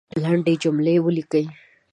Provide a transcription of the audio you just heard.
لندي جملې لیکئ !